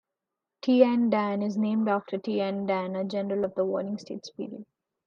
"Tian Dan" is named after Tian Dan, a general of the Warring States period.